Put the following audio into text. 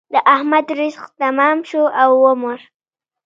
د احمد رزق تمام شو او ومړ.